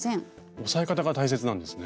押さえ方が大切なんですね。